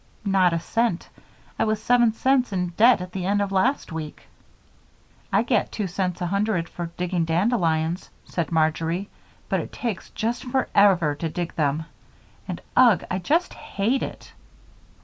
"Not a cent. I was seven cents in debt at the end of last week." "I get two cents a hundred for digging dandelions," said Marjory, "but it takes just forever to dig them, and ugh! I just hate it."